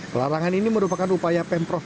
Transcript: pelarangan ini merupakan upaya pemprov